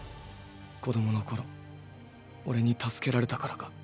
子供の頃オレに助けられたからか？